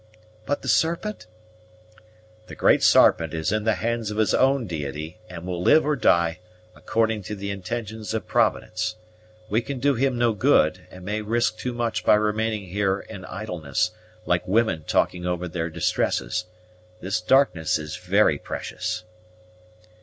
"But the Serpent?" "The Great Sarpent is in the hands of his own Deity, and will live or die, according to the intentions of Providence. We can do him no good, and may risk too much by remaining here in idleness, like women talking over their distresses. This darkness is very precious."